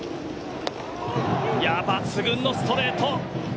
抜群のストレート。